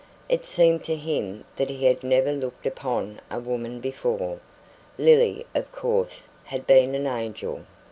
It seemed to him that he had never looked upon a woman before. Lily, of course, had been an angel.